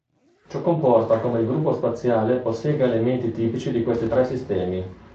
Ciò comporta come il gruppo spaziale possegga elementi tipici di questi tre sistemi.